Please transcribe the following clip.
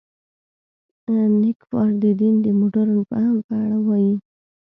نېکفر د دین د مډرن فهم په اړه وايي.